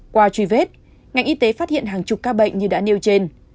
qua truy vết ngành y tế phát hiện hàng chục ca bệnh như đã nêu trên